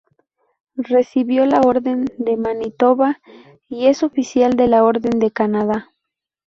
Recibido la Orden de Manitoba y es Oficial de la Orden de Canadá.